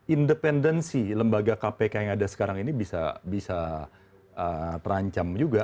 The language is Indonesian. independensi lembaga kpk yang ada sekarang ini bisa terancam juga